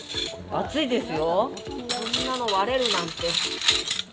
厚いですよ、こんなの割れるなんて。